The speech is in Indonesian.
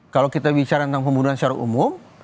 kalau kita bicara tentang pembunuhan secara umum